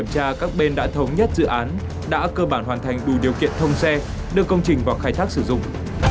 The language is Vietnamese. các bên đã thống nhất dự án đã cơ bản hoàn thành đủ điều kiện thông xe đưa công trình vào khai thác sử dụng